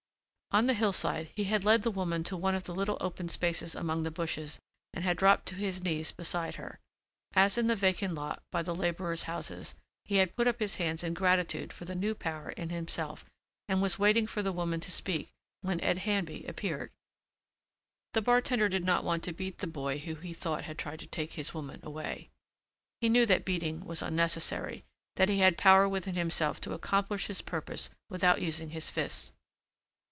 On the hillside he had led the woman to one of the little open spaces among the bushes and had dropped to his knees beside her. As in the vacant lot, by the laborers' houses, he had put up his hands in gratitude for the new power in himself and was waiting for the woman to speak when Ed Handby appeared. The bartender did not want to beat the boy, who he thought had tried to take his woman away. He knew that beating was unnecessary, that he had power within himself to accomplish his purpose without using his fists.